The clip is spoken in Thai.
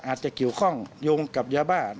อาจจะเกี่ยวข้องโยงกับยาบ้า